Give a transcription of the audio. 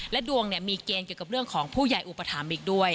ดวงมีเกณฑ์เกี่ยวกับเรื่องของผู้ใหญ่อุปถัมภ์อีกด้วย